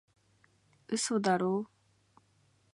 嘘だろ？